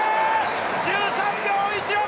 １３秒１６！